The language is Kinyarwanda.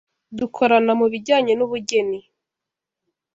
dukorana mubijyanye n’ubugeni.